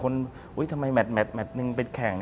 แล้วทำไมแมทเหมือนเป็นแข่ง